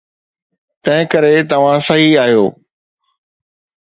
تنهنڪري توهان صحيح آهيو.